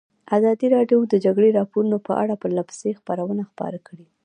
ازادي راډیو د د جګړې راپورونه په اړه پرله پسې خبرونه خپاره کړي.